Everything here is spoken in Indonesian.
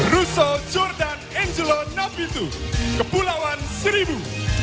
russo jordan angelo napitu kepulauan seribu